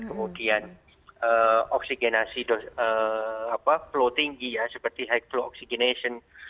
kemudian oksigenasi flow tinggi ya seperti high flow oksigen